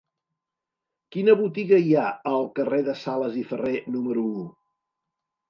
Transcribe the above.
Quina botiga hi ha al carrer de Sales i Ferré número u?